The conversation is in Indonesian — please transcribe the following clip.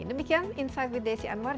demikian insight with desi anwar